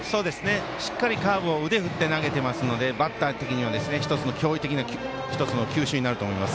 しっかりカーブを腕を振って投げていますのでバッター的には脅威的な球種になると思います。